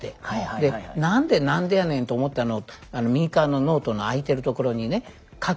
で何で「何でやねん」と思ったのを右側のノートの空いてるところにね書く。